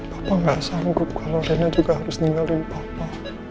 papa gak sanggup kalau rena juga harus ninggalin papa